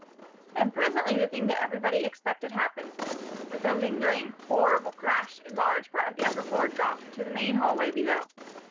And presently the thing that everybody expected happened. With a lingering, horrible crash a large part of the upper floor dropped to the main hall below.